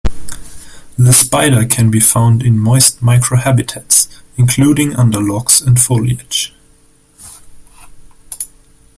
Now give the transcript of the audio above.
The spider can be found in moist microhabitats, including under logs and foliage.